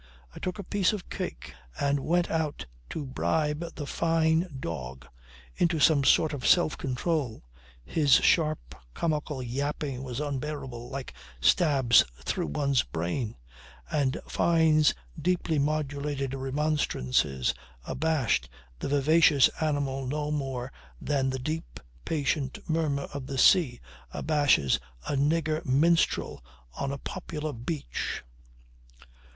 I took a piece of cake and went out to bribe the Fyne dog into some sort of self control. His sharp comical yapping was unbearable, like stabs through one's brain, and Fyne's deeply modulated remonstrances abashed the vivacious animal no more than the deep, patient murmur of the sea abashes a nigger minstrel on a popular beach.